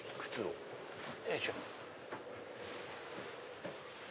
よいしょ。